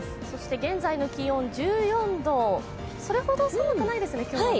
現在の気温１４度、それほど寒くないですね、今日はね。